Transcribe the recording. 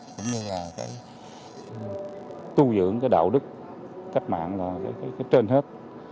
cũng như là tu dưỡng đạo đức cách mạng là cái trên hết